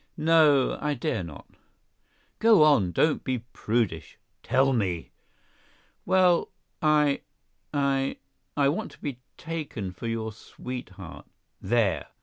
"No, I dare not." "Go on; don't be prudish. Tell me." "Well, I—I—I want to be taken for your sweetheart—there!